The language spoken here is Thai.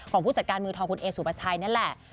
ผู้จัดการมือทองคุณเอสุปชัยนั่นแหละ